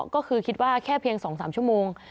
ก็คือคิดว่าแค่เพียง๒๓ชั่วโมง